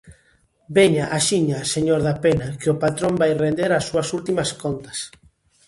-Veña axiña, señor Dapena, que o patrón vai render as súas últimas contas.